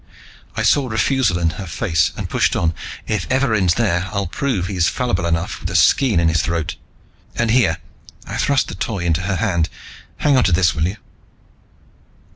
I saw refusal in her face and pushed on, "If Evarin's there, I'll prove he's fallible enough with a skean in his throat! And here" I thrust the Toy into her hand "hang on to this, will you?"